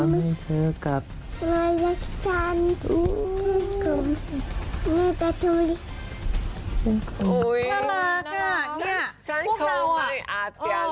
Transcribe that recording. นี่พวกเราอ่ะ